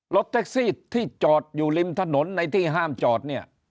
รถแท็กซี่ที่จอดอยู่ริมถนนในที่ห้ามจอดเนี่ย